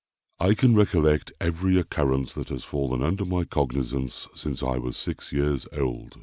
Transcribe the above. I can recollect every occurrence that has fallen under my cognizance, since I was six years old.